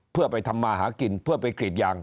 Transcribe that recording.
เพื่อไปทำมาหากินเพื่อไปกรีดยาง